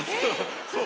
そう！